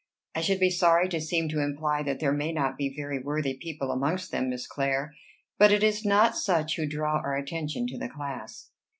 "I should be sorry to seem to imply that there may not be very worthy people amongst them, Miss Clare; but it is not such who draw our attention to the class."